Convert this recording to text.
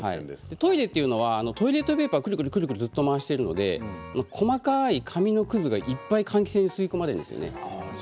トイレというのはトイレットペーパーくるくるくるくるずっと回しているので細かい紙のくずがいっぱい換気扇に吸い込まれるんです。